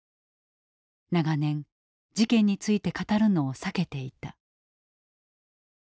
長年事件について語るのを避けていた。